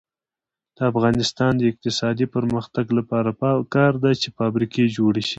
د افغانستان د اقتصادي پرمختګ لپاره پکار ده چې فابریکې جوړې شي.